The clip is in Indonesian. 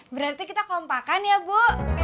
berarti kita kompakan ya bu